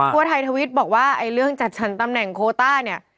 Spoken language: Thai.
เพื่อไทยทวิทย์บอกว่าไอ้เรื่องจัดสรรตำแหน่งโคต้าเนี่ย